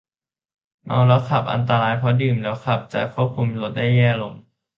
เมาแล้วขับอันตรายเพราะดื่มแล้วขับจะคุมรถได้แย่ลง